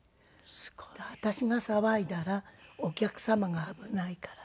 「私が騒いだらお客様が危ないから」。